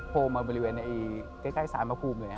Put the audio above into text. โผล่มาบริเวณในใกล้ศาลมะภูมิเลย